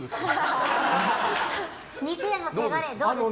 肉屋のせがれ、どうですか？